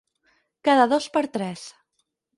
Cada dos per tres.